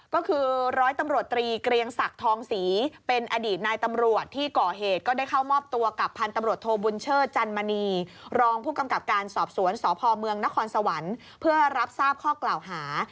ก็คือร้อยตำรวจตรีเกรียงศักดิ์ทองศรีเป็นอดีตนายตำรวจที่ก่อเหตุก็ได้เข้ามอบตัวกับพันธุ์ตำรวจโทบุญเชิดจันมณีรองผู้กำกับการสอบสวนสพเมืองนครสวรรค์เพื่อรับทราบข้อกล่าวหา